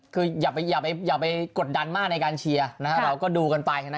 คืออย่าไปกดดันมากในการเชียร์เราก็ดูกันไป